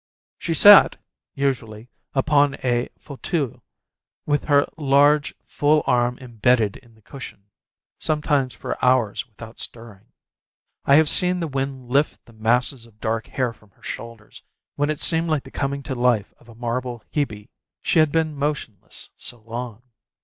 She sat, usually, upon a fauteuil, with her large, full arm embedded in the cushion, sometimes for hours without stirring. I have seen the wind lift the masses of dark hair from her shoulders when it seemed like the coming to life of a marble Hebe she had been motionless so long.